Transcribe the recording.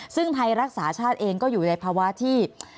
ซึ่งไทยรักษาชาติเองก็อยู่ในภาวะที่